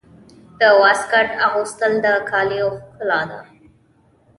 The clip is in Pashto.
د واسکټ اغوستل د کالیو ښکلا ده.